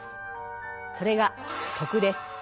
それが「徳」です。